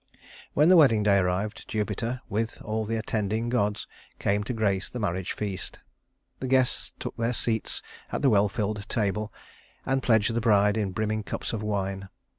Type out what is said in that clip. When the wedding day arrived, Jupiter, with all the attending gods, came to grace the marriage feast. The guests took their seats at the well filled table, and pledged the bride in brimming cups of wine.